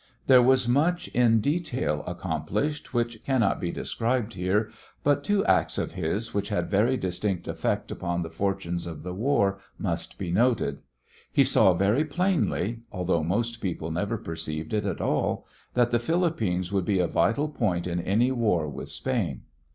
There was much in detail accomplished which can not be described here, but two acts of his which had very distinct effect upon the fortunes of the war must be noted. He saw very plainly although most people never perceived it at all that the Philippines would be a vital point in any war with Spain.